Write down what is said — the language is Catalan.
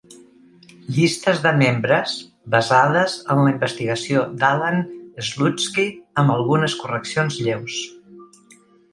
Llistes de membres basades en la investigació d'Allan Slutsky, amb algunes correccions lleus.